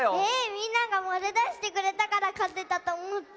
みんなが○だしてくれたからかてたとおもった。